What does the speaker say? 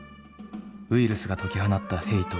ウイルスが解き放ったヘイト